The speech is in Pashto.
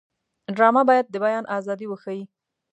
ډرامه باید د بیان ازادي وښيي